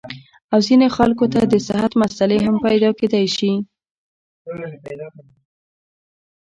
او ځينې خلکو ته د صحت مسئلې هم پېدا کېدے شي -